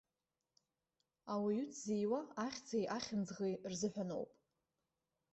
Ауаҩы дзиуа ахьӡи ахьымӡӷи рзыҳәаноуп.